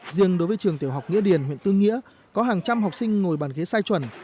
riêng đối với trường tiểu học nghĩa điền huyện tư nghĩa có hàng trăm học sinh ngồi bàn ghế sai chuẩn